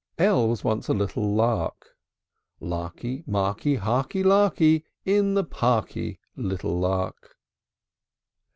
L l L was once a little lark, Larky, Marky, Harky, Larky, In the parky, Little lark!